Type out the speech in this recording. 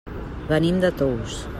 Venim de Tous.